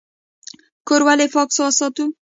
کور ولې پاک وساتو؟